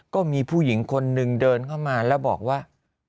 ก็มีผู้หญิงคนนึงเดินเข้ามาแล้วบอกว่า